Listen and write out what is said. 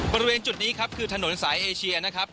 บริเวณจุดนี้ครับคือถนนสายเอเชียนะครับ